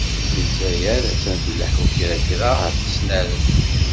Lezzayer attan tleḥḥu kra kra ɣer tesnareft.